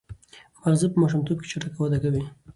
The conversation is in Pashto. ماغزه په ماشومتوب کې چټک وده کوي.